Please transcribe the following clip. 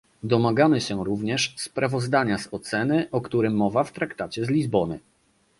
Domagamy się również sprawozdania z oceny, o którym mowa w traktacie z Lizbony